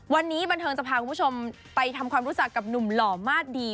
วันนี้บันเทิงจะพาคุณผู้ชมไปทำความรู้จักกับหนุ่มหล่อมาสดี